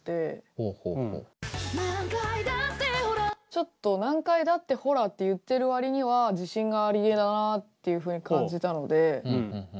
ちょっと「何回だってほら」って言ってる割には自信がありげだなあっていうふうに感じたので。